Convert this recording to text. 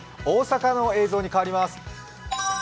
大阪の映像に変わります。